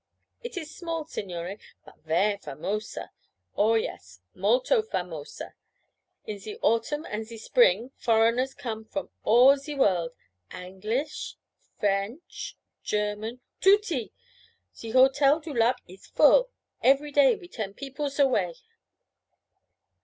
It is small, signore, but ver' famosa. Oh, yes, molto famosa. In ze autumn and ze spring foreigners come from all ze world Angleesh, French, German tutti! Ze Hotel du Lac is full. Every day we turn peoples away.'